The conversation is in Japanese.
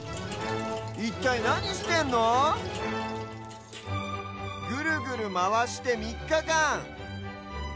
いったいなにしてんの⁉ぐるぐるまわしてみっかかん。